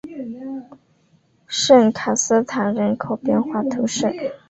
圣卡斯坦人口变化图示